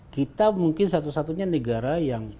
kita mungkin satu satunya negara yang